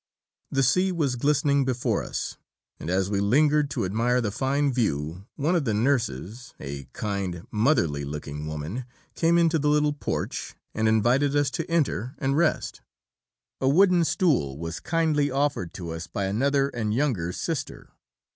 The sea was glistening before us, and as we lingered to admire the fine view, one of the nurses, a kind, motherly looking woman, came into the little porch, and invited us to enter and rest. A wooden stool was kindly offered to us by another and younger Sister.